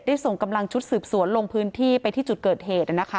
ส่งกำลังชุดสืบสวนลงพื้นที่ไปที่จุดเกิดเหตุนะคะ